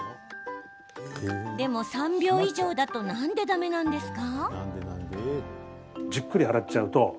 でも３秒以上だとなんで、だめなんですか？